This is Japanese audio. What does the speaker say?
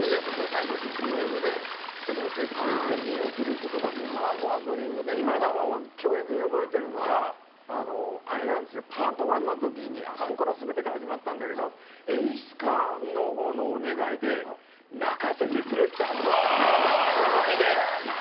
最後、卒業の生徒一人ひとりに贈る言葉とかは今でも強烈に覚えてるのはパート１の時にあそこから全てが始まったんだけど演出家のほうのお願いで泣かせてくれって始まったんです。